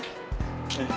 terima kasih abah